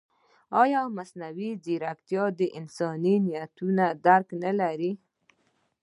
ایا مصنوعي ځیرکتیا د انساني نیتونو درک نه لري؟